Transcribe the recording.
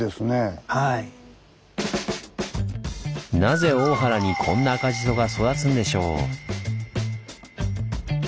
なぜ大原にこんな赤じそが育つんでしょう？